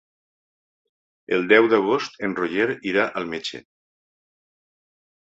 El deu d'agost en Roger irà al metge.